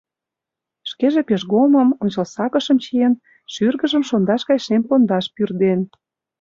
Шкеже пижгомым, ончылсакышым чиен, шӱргыжым шондаш гай шем пондаш пӱрден.